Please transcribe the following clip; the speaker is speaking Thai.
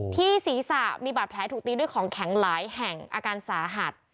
ที่ศีรษะมีบาดแผลถูกตีด้วยของแข็งหลายแห่งอาการสาหัส